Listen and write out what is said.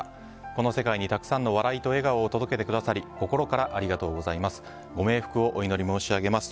この世界にたくさんの笑いと笑顔を届けてくださり心からありがとうございます。